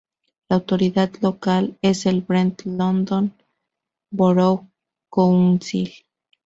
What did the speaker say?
La autoridad local es el Brent London Borough Council.